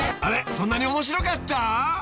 そんなに面白かった？］